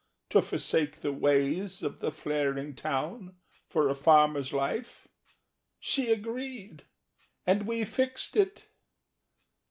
—to forsake the ways Of the flaring town for a farmer's life. She agreed. And we fixed it.